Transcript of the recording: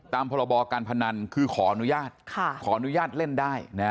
พรบการพนันคือขออนุญาตขออนุญาตเล่นได้